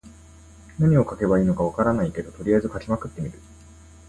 何を書けばいいのか分からないけど、とりあえず書きまくってみる。